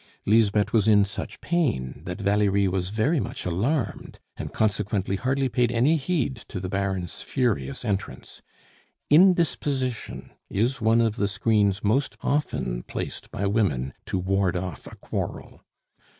Lisbeth was in such pain that Valerie was very much alarmed, and consequently hardly paid any heed to the Baron's furious entrance. Indisposition is one of the screens most often placed by women to ward off a quarrel.